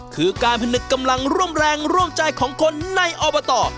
คือการผนึกกำลังร่วมแรงร่วมใจของคนในอบต